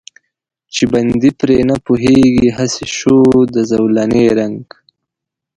چې بندي پرې نه پوهېږي، هسې شو د زولانې رنګ.